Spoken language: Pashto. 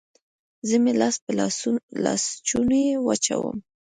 زه مې لاس په لاسوچوني وچوم